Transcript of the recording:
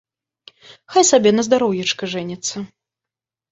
Хай сабе, на здароўечка, жэніцца.